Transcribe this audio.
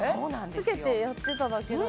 つけてやってただけだよ